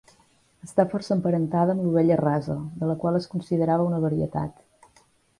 Està força emparentada amb l'ovella rasa, de la qual es considerava una varietat.